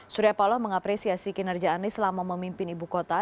surya paloh mengapresiasi kinerja anies selama memimpin ibu kota